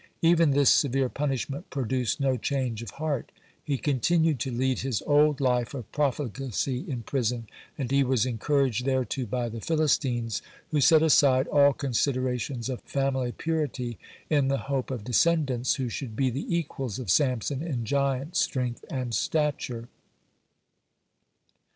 Even this severe punishment produced no change of heart. He continued to lead his old life of profligacy in prison, and he was encouraged thereto by the Philistines, who set aside all considerations of family purity in the hope of descendants who should be the equals of Samson in giant strength and stature.